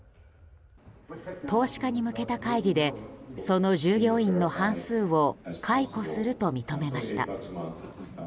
投資家に向けた会議でその従業員の半数を解雇すると認めました。